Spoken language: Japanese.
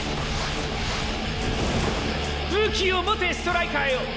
武器を持てストライカーよ！